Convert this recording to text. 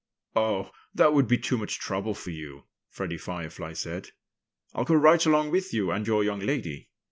"Oh! That would be too much trouble for you," Freddie Firefly said. "I'll go right along with you and your young lady.